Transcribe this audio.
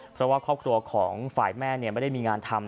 เพราะว่าครอบครัวของฝ่ายแม่ไม่ได้มีงานทำ